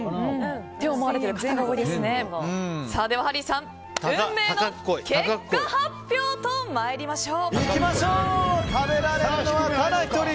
ハリーさん、運命の結果発表と参りましょう。